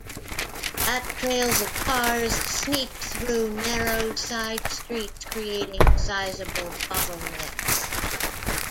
'Rat trails' of cars sneaked through narrow sidestreets, creating sizeable bottlenecks.